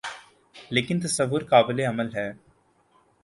لیکن تصور قابلِعمل ہے